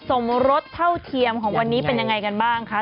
สมรสเท่าเทียมของวันนี้เป็นยังไงกันบ้างคะ